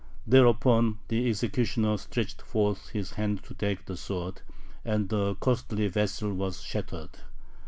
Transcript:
Thereupon the executioner stretched forth his hand to take the sword, and the costly vessel was shattered.